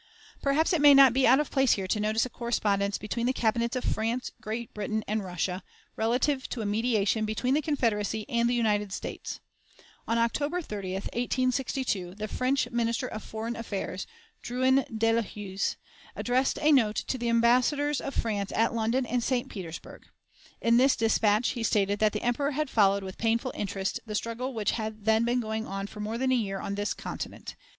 Perhaps it may not be out of place here to notice a correspondence between the Cabinets of France, Great Britain, and Russia, relative to a mediation between the Confederacy and the United States. On October 30, 1862, the French Minister of Foreign Affairs, Drouyn de l'Huys, addressed a note to the ambassadors of France at London and St. Petersburg. In this dispatch he stated that the Emperor had followed with painful interest the struggle which had then been going on for more than a year on this continent.